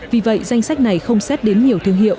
vì vậy danh sách này không xét đến nhiều thương hiệu